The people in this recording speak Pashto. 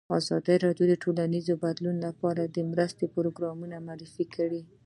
ازادي راډیو د ټولنیز بدلون لپاره د مرستو پروګرامونه معرفي کړي.